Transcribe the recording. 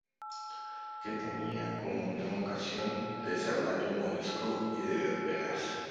que tenía como una evocación de serrallo morisco y de verbenas.